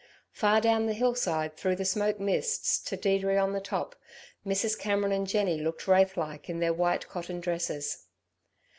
Far down the hillside, through the smoke mists, to Deirdre on the top, Mrs. Cameron and Jenny looked wraith like in their white cotton dresses.